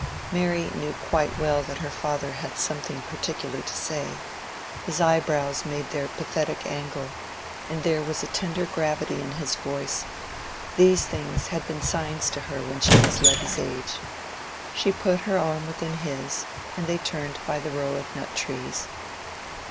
Mary knew quite well that her father had something particular to say: his eyebrows made their pathetic angle, and there was a tender gravity in his voice: these things had been signs to her when she was Letty's age. She put her arm within his, and they turned by the row of nut trees.